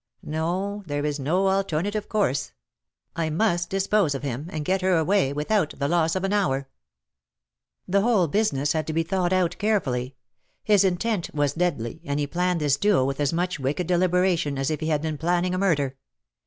No ; there is no alter native course. I must dispose of him^ and get her away, without the loss of an hour.^'' The whole business had to be thought out care fully. His intent was deadly, and he planned this duel with as much wicked deliberation as if he had been planning a murder.